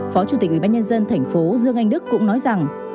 phó chủ tịch ubnd thành phố dương anh đức cũng nói rằng